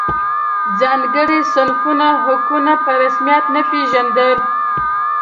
ځانګړي صنفي حقونه په رسمیت نه پېژندل.